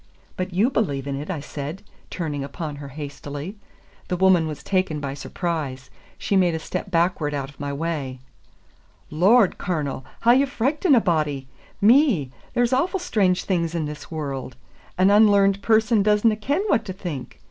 "But you believe in it," I said, turning upon her hastily. The woman was taken by surprise. She made a step backward out of my way. "Lord, Cornel, how ye frichten a body! Me! there's awfu' strange things in this world. An unlearned person doesna ken what to think.